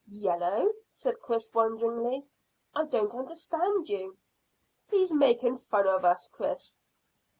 "Yellow?" said Chris wonderingly. "I don't understand you." "He's making fun of us, Chris."